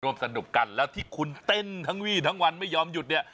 สนุกกันแล้วที่คุณเต้นทั้งวี่ทั้งวันไม่ยอมหยุดเนี่ย